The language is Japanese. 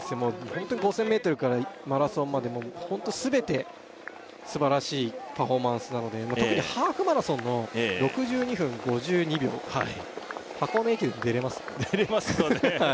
ホントに５０００ｍからマラソンまでもホント全て素晴らしいパフォーマンスなので特にハーフマラソンの６２分５２秒箱根駅伝に出れます出れますよね